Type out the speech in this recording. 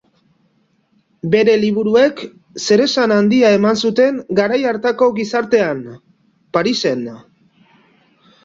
Bere liburuek zeresan handia eman zuten garai hartako gizartean, Parisen.